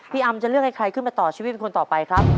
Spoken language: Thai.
อำจะเลือกให้ใครขึ้นมาต่อชีวิตเป็นคนต่อไปครับ